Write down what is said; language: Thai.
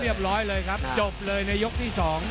เรียบร้อยเลยครับจบเลยในยกที่๒